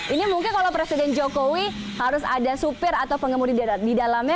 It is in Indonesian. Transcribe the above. ini mungkin kalau presiden jokowi harus ada supir atau pengemudi di dalamnya